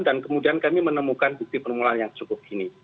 dan kemudian kami menemukan bukti penemuan yang cukup ini